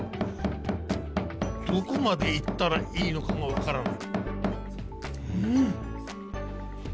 どこまで行ったらいいのかが分からない。